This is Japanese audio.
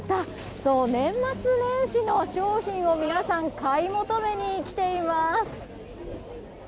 そう、年末年始の商品を皆さん、買い求めに来ています。